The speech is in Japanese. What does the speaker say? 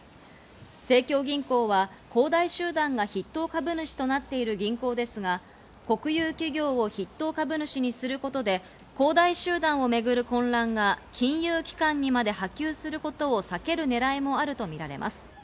盛京銀行は恒大集団が筆頭株主となっている銀行ですが、国有企業を筆頭株主にすることで、恒大集団をめぐる混乱が金融機関にまで波及することを避けるねらいもあるとみられます。